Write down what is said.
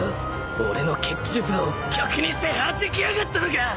俺の血鬼術を曲にしてはじきやがったのか！？